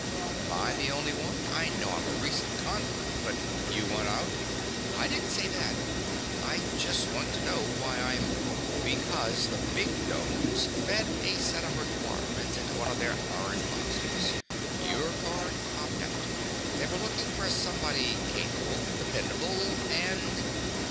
"Am I the only one? I know I'm a recent convert, but—" "You want out?" "I didn't say that. I just want to know why I'm—" "Because the bigdomes fed a set of requirements into one of their iron monsters. Your card popped out. They were looking for somebody capable, dependable ... and